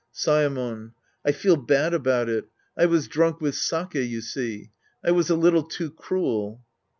Saemon. I feel bad about it. I was drunk with sake, you see. I was a little too cruel.